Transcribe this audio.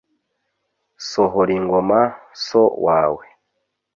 sohoringoma so wawe